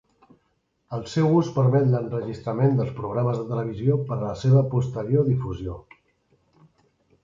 El seu ús permet l'enregistrament dels programes de televisió per a la seva posterior difusió.